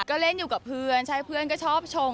ก็เล่นอยู่กับเพื่อนใช่เพื่อนก็ชอบชง